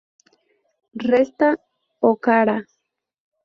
Resta, oh cara!